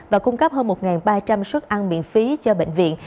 và cung cấp hơn một ba trăm linh xuất ăn miễn phí cho bệnh viện